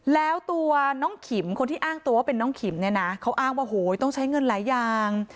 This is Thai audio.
แล้วตัวน้องขิมคนที่อ้างตัวว่าเป็นน้องขิมเนี่ยนะเขาอ้างว่าโหยต้องใช้เงินหลายอย่าง